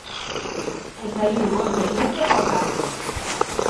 E saíu Borja Iglesias ao campo.